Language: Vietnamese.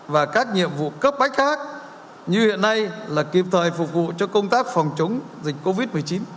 và các nhiệm vụ cấp bách khác như hiện nay là kịp thời phục vụ cho công tác phòng chống dịch covid một mươi chín